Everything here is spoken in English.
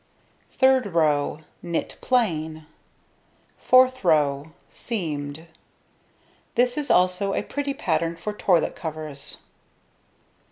Third row: Knit plain. Fourth row: Seamed. This is also a pretty pattern for toilet covers.